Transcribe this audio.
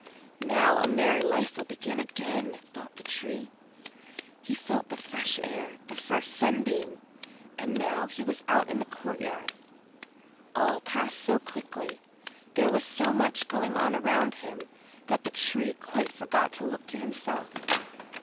"Now a merry life will begin again," thought the Tree. He felt the fresh air, the first sunbeam—and now he was out in the courtyard. All passed so quickly, there was so much going on around him, that the Tree quite forgot to look to himself.